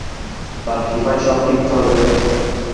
তাঁর কৃপায় সব ঠিক চলবে।